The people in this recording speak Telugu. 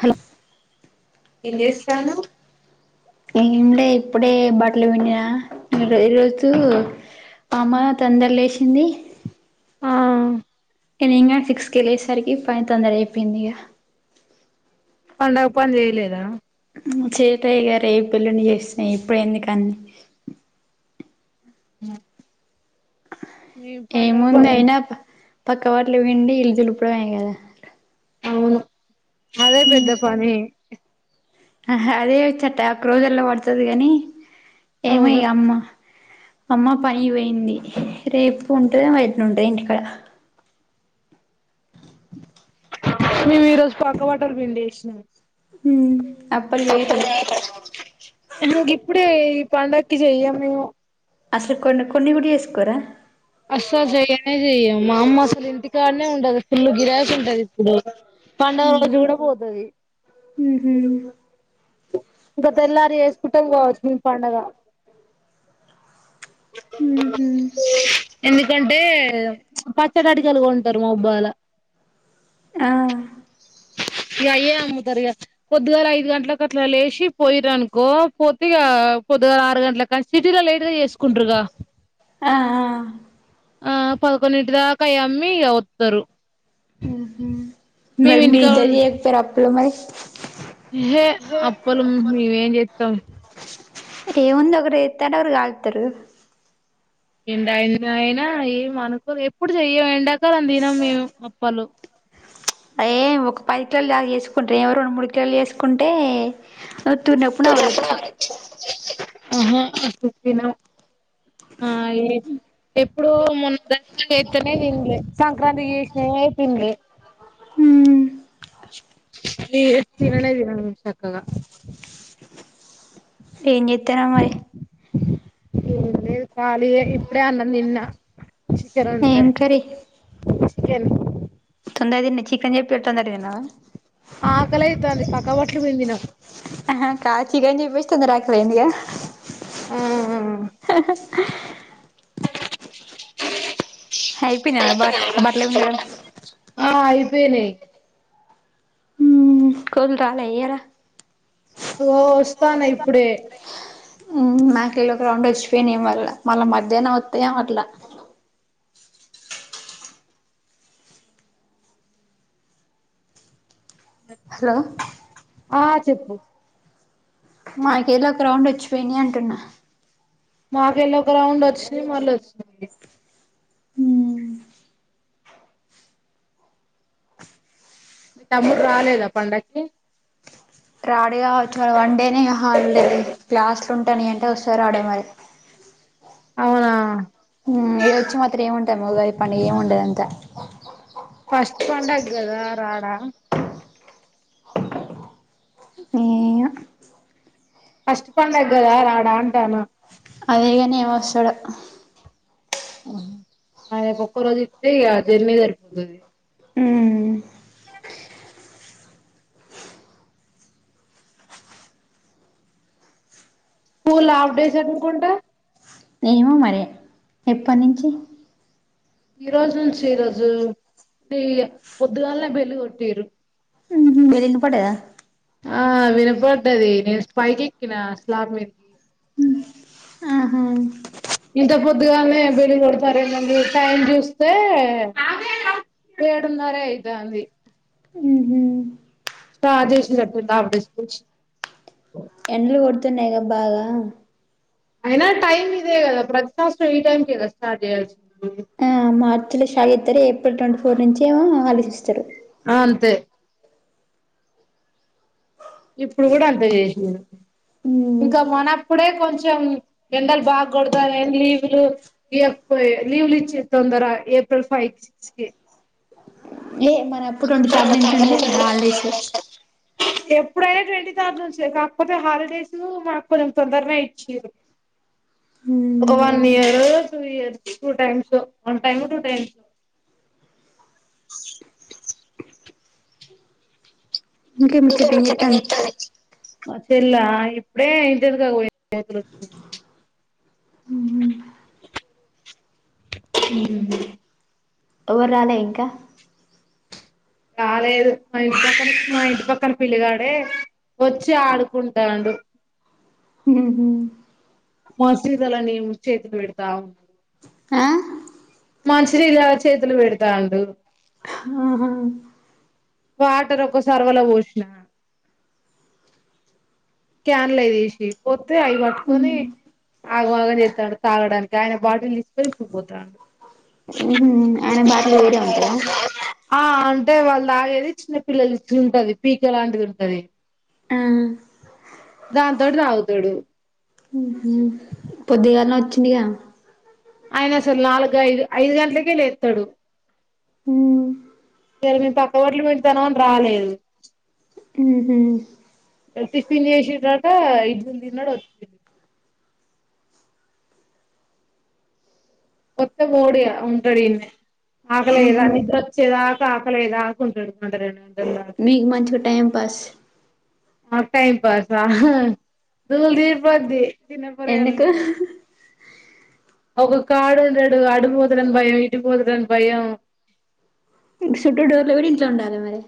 హలో ఏం జేస్తున్నవ్ ఏం లే ఇప్పుడే బట్టలు పిండినా ఈ ఈరోజు ఆమ తొందర లేసింది ఆ నేను ఇంగ సిక్స్ కి లేసేసరికి పని తొందర అయిపోయింది ఇగ పండగ పని జేయలేదా చేయ్యట్లే ఇగ రేప్ ఎల్లుండి జేస్త ఇప్పుడు ఎందుకన్ని ఉమ్ ఏముంది అయినా పక్క బట్లు పిండి ఇల్లు దులుపడమే గదా అవును అదే పెద్ద పని అదే చెట్ట ఒక్క రోజుల్లో బడతది గాని ఏమో అవును ఇగ అమ్మ అమ్మా పని పోయింది రేపు ఉంటదో ఎట్లుంటదో ఇంటికాడ మేము ఈరోజు పక్క బట్టలు పిండేసినము ఉమ్ అప్పలు చేయట్లే ఆహా గిప్పుడే పండక్కి జేయం మేము అసలు కొన్ని కొన్ని గూడ జేసుకోరా అస్సలు చేయనే చెయ్యము మా అమ్మ అసలు ఇంటికాడనే ఉండదు ఫుల్లు గిరాకి ఉంటది ఇప్పుడు పండుగ రోజు గూడా పోతది ఉహు ఇంక తెల్లారి జేస్ ఉహు [unintelligible] ఎందుకంటే [unintelligible] ఆ [inaudible] ఇగ అయ్యే అమ్ముతారు ఇగ పొద్దుగాల ఐదు గంట్లకు అట్లా లేచి పోయిరనుకో పోతే ఇగ పొద్దుగాల ఆరు గంటల కాంచి సిటీలో లేటుగా చేసుకుంటారుగా ఆ ఆ ఆ పదకొండింటి దాకా అయి అమ్మి ఇగ వత్తరు మేము మరి మీ ఇంటికాడ ఇద్దరు చేత్తరు అప్పులు మరి హే అప్పలు మేం ఏం జేత్తం ఇక ఏముంది ఒకరు ఏత్తరు ఒరు కాలుత్తరు ఎండైన అయినా ఏం అనుకోలే ఎప్పుడు జెయ్య, ఎండాకలం తినం మేము అప్పలు. అ ఏం ఒక పది కిలోలు దాకా ఏసుకుంటే ఎవో రెండు మూడు కిలోలు ఏసుకుంటే. [unintelligible] ఆళ్ ఒచ్చిరు ఉహూ [unintelligible] ఆ ఏ ఎప్పుడో మొన్న [inaudible] ఏత్తనే దిన్లే, సంక్రాంతి చేసినయే తిన్లే. హూ ఈ ఏ తిననేే తినను సక్కగా ఏం జేత్తనవ్ మరి ఏం లేదు ఖాళీయే ఇప్పుడే అన్నం దిన్న ఏం కర్రి కెన్ తొందర తిన్ని చికెన్ జెప్పి తొందర తిన్నావా ఆకలి అయితాంది పక్క బట్టలు విండిన అహా కాదు చికన్ చెప్పేసి తొందర ఆకలైందిగా ఆ [inaudible] అయిపినయ బ బట్లు విండడం పెనై కోళ్ రాలే ఇయ్యాల ఓ ఒస్తాన్న ఇప్పుడే మ్యాకలు ఒక రౌండ్ ఒచ్చిపోయినయ్ మళ్ళ, మళ్ళ మధ్యాహ్నం వత్తయేమో అట్ల. హలో ఆ చెప్పు మాకేలో ఒక రౌండ్ ఒచ్చి పోయినై అంటున్నా మాకెళ్ళో ఒక రౌండ్ ఒచ్చినయ్, మళ్ళ ఒచ్చినయ్. మీ తమ్ముడు రాలేదా పండక్కి రాడుగా ఒచ్చిన వన్ డేనే ఇగ హాల్డే, క్లాస్ లు ఉంటున్నాయంట వస్త రాడో మరి. [inaudible] అవునా హూమ్, ఈడ ఒచ్చి మాత్రం ఏముంటది మొగోది పండగ ఏముండదు అంతా. ఫస్ట్ పండ్డగ్ గదా రాడా ఏమో ఫస్ట్ పండగ్ గదా రాడా అంటాన్న అదే గాని ఏం ఒస్సడో ఆయనకు ఒక్క రోజు ఇస్తే ఇగ జర్నీ సరిపోతది ఊ [inaudible] స్కూల్ హాఫ్ డేసే అనుకుంటా ఎప్పన్నుంచి ఈ రోజు నుంచి, ఈరోజు పీ యె పొద్దుగాల్నే బెల్లు గొట్టీరు. మీరు ఇన్నపడ్డయ ఆ వినపడ్డదీ, నేను పైకి ఎక్కినా స్లాబ్ మి. ఆహా ఇంత పొద్దుగాల్నే బిడిల్ కొడతారేంటండి టైం జూస్తే ఏడున్నరే ఐతాంది ఊహు స్టార్ట్ జేసిర [unintelligible] హాఫ్డే స్కూల్స్ ఎండ్లు గొడుతున్నాయ్ గా బాగా అయినా టైమ్ ఇదే గదా, ప్రతి [unintelligible] ఈ టైం కేగా స్టార్ట్ చేయయాల్సి. ఆ మార్చి లో షా ఇద్దరే ఏప్రిల్ ట్వంటీ ఫోర్ నుంచో ఆళ్ళిస్తరు. ఆ అంతే ఇప్పుడు కూడా అంతే చేసిన ఉమ్ ఇంకా మనప్పుడే కొంచెం ఎండలు బాగ కొడతాయి లీవులు ఎక్కువై లీవ్లిచ్చి తొందర ఏప్రిల్ ఫైవ్ సిక్స్ కి మరప్పుడు ట్వంటీ థర్డ్ నుంచి అండి హాలిడేసు ఎప్పుడైనా ట్వంటీ థర్డ్ నుంచి కాకపోతే హాలిడేసు మాకు కొంచెం తొందర్నె ఇచ్చిర్రు. [inaudible] ఒక హ్మ్ వన్ ఇయరో two years two time so one time two టైమ్సొ [inaudible] [inaudible] ఇంకే ఇకా ముచ్చట ఏం రక్షని చెత్తాంది ఇతారు [unintelligible] మా చెల్లా ఇప్పుడే ఇంటవెనకకు పోయోచ్చింది ఉ ఉ ఉ ఎవరాలే ఇంకా రాలేదు మా ఇంటి పక్కన మా ఇంటి పక్కన పిలిగాడే వచ్చి ఆడుకుంటాండు ఉ హు హు మసీదలండి ము చేతులు బెడతా ఉంటారు ఆ మంచినీళ్ల చేతులు పెడుతాండు ఆహా వాటర్ ఒక్కో సరి వొలకపోసిన క్యాన్ లే తీసిపో ఇత్తే అవి పట్టుకొని ఆగమాగం చేస్తాడు తాగడానికి ఆయన బాటిల్ తీసికొని ఇప్పుడు పోతాండు. ఉహు ఆయన బాటిల్ వేరే ఉంటదా [inaudible] ఆ అంటే వాళ్ళు తాగేది చిన్నపిల్లల ఉంటది పీకే లాంటిది ఉంటది. ఆ దాన్ తోటి తాగుతాడు ఉ హు పొద్దిగాల్నే వచ్చిందిగా ఆయన అసలు నాలుగు ఐదు ఐదు గంటలకే లేత్తాడు. ఉ ఇయాళ్ల మేము పక్క ఓట్లు పిండుతన్నం అని రాలేదు. ఉ హు టిఫిన్ చేసేసక ఇడ్లీలు తిన్నాడు వచ్చిన్ వత్తే పోడిగా ఉంటాడు ఇన్నే ఆకలి ఏయదా ఉహు నిద్ర వచ్చేదాక్ ఆకలి ఏయదా ఆడుకుంటాడు గంట రెండు గంట్లు మీకు మంచిగా టైమ్ పాస్ మస్త్ టైమ్ పాసా హా దూల తీరిపొద్ది చిన్న పోరగాళ్లు ఎందుకు ఉంటే ఒక కాడు ఉండడు అడు పోతడని భయం ఇటు పోతడని భయం. చుటు ఎవడు ఇంట్లో ఉండాలి మరి